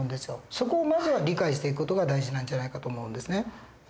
そこをまずは理解していく事が大事なんじゃないかと思うんですね。